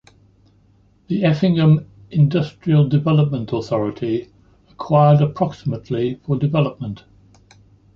The Effingham Industrial Development Authority acquired approximately for development.